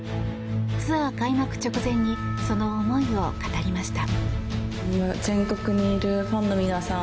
ツアー開幕直前にその思いを語りました。